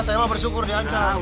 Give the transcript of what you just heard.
saya mah bersyukur diancam